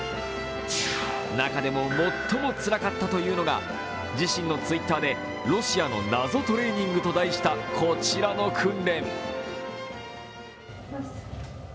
中でも最もつらかったというのが自身のＴｗｉｔｔｅｒでロシアの謎トレーニングと題した、こちらの訓練。